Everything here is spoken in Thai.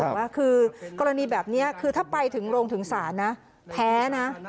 เขาบอกว่ากรณีแบบนี้ถ้าไปถึงโรงถึงศาลแพ้